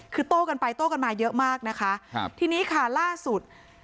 คือโต้กันไปโต้กันมาเยอะมากนะคะครับทีนี้ค่ะล่าสุด